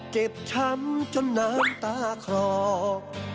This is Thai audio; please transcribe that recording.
เจ็บช้ำจนน้ำตาคลอก